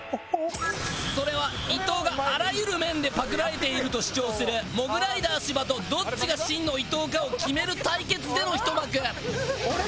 それは伊藤があらゆる面でパクられていると主張するモグライダー芝とどっちが真の伊藤かを決める対決での一幕。